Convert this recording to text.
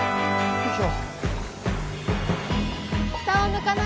よいしょ。